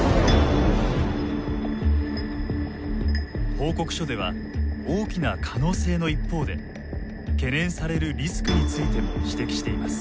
報告書では大きな可能性の一方で懸念されるリスクについても指摘しています。